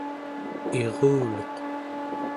iruluq